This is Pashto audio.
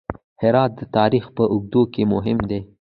هرات د تاریخ په اوږدو کې مهم و